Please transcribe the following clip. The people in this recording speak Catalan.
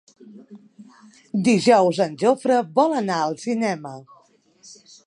Dijous en Jofre vol anar al cinema.